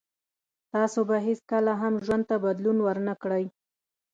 تاسو به هیڅکله هم ژوند ته بدلون ور نه کړی